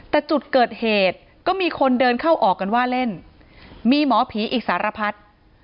แต่จุดเกิดเหตุก็มีคนเดินเข้าออกกันว่าเล่นมีหมอผีอีกสารพัฒน์